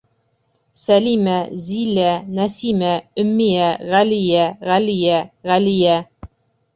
Сәлимә, Зилә, Нәсимә, Өммиә, Ғәлиә, Ғәлиә, Ғәлиә...